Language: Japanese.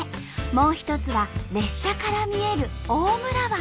もう一つは列車から見える大村湾。